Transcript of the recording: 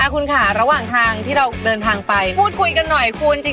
คุณค่ะระหว่างทางที่เราเดินทางไปพูดคุยกันหน่อยคุณ